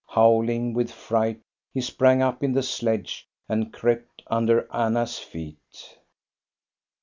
Howling with fright, he sprang up in the sledge and crept under Anna's feet.